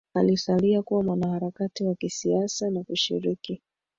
Alisalia kuwa mwanaharakati wa kisiasa na kushiriki